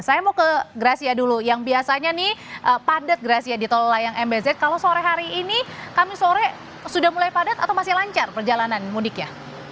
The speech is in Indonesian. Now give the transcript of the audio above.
saya mau ke gracia dulu yang biasanya nih padat gracia di tol layang mbz kalau sore hari ini kami sore sudah mulai padat atau masih lancar perjalanan mudiknya